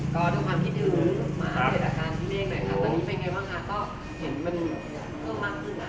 ก็ด้วยความคิดถึงมาเศรษฐการณ์ที่เลขหน่อย